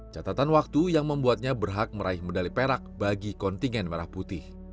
catatan waktu yang membuatnya berhak meraih medali perak bagi kontingen merah putih